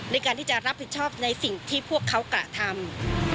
ในการที่จะรับผิดชอบในสิ่งที่พวกเขากระทำ